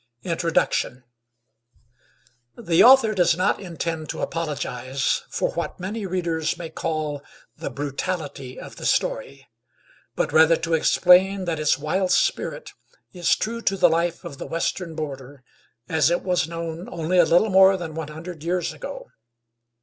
Introduction The author does not intend to apologize for what many readers may call the "brutality" of the story; but rather to explain that its wild spirit is true to the life of the Western border as it was known only a little more than one hundred years ago.